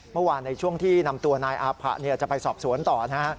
เมื่อวานในช่วงที่นำตัวนายอาผะจะไปสอบสวนต่อนะฮะ